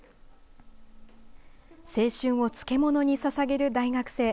青春を漬物にささげる大学生。